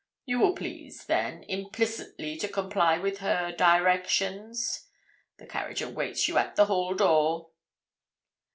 You will please, then, implicitly to comply with her directions. The carriage awaits you at the hall door.'